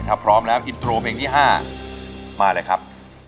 ถ้าพร้อมแล้วอินโทรเพลงที่๕มาเลยครับ